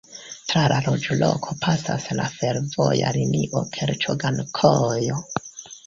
Tra la loĝloko pasas la fervoja linio Kerĉo-Ĝankojo.